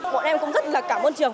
bọn em cũng rất là cảm ơn trường